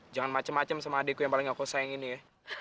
jangan macem macem sama adekku yang paling aku sayang ini ya